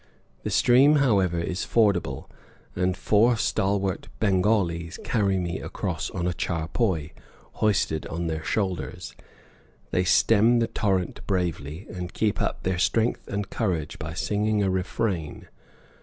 The stream, however, is fordable, and four stalwart Bengalis carry me across on a charpoy, hoisted on their shoulders; they stem the torrent bravely, and keep up their strength and courage by singing a refrain.